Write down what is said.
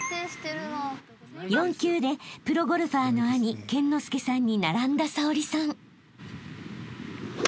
［４球でプロゴルファーの兄健之恭さんに並んだ早織さん］